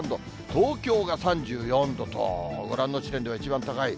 東京が３４度と、ご覧の地点では一番高い。